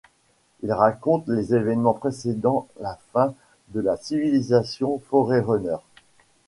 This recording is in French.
Il raconte les évènements précédant la fin de la civilisation Forerunner.